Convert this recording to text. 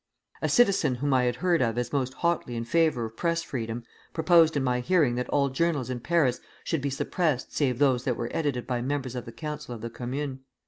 A citizen whom I had heard of as most hotly in favor of Press freedom, proposed in my hearing that all journals in Paris should be suppressed save those that were edited by members of the Council of the Commune.